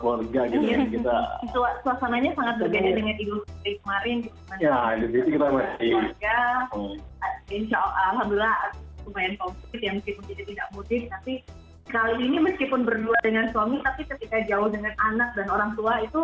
tapi kali ini meskipun berdua dengan suami tapi ketika jauh dengan anak dan orang tua itu